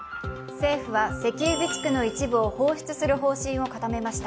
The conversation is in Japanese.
政府は石油備蓄の一部を放出する方針を固めました。